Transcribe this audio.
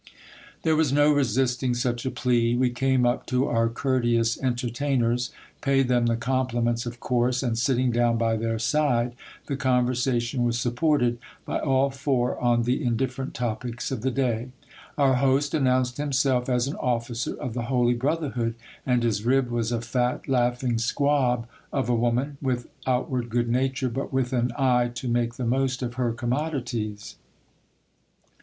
There was no resisting such a plea. We came up to our courteous enter tainers, paid them the compliments of course, and sitting down by their side, the conversation was supported by all four on the indifferent topics of the day. Our host announced himself as an officer of the Holy Brotherhood, and his rib was a fat laughing squab of a woman, with outward good nature, but with an eye to make the most of her commodities.